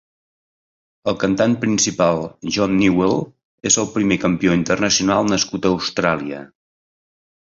El cantant principal John Newell és el primer campió internacional nascut a Austràlia.